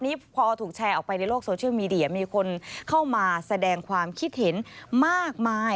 พอถูกแชร์ออกไปในโลกโซเชียลมีเดียมีคนเข้ามาแสดงความคิดเห็นมากมาย